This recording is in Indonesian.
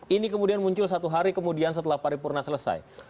ini kemudian muncul satu hari kemudian setelah paripurna selesai